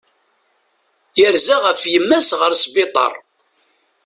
Yerza ɣef yemma-s ɣer sbiṭar.